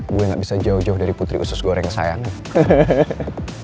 gue gak bisa jauh jauh dari putri khusus goreng sayangnya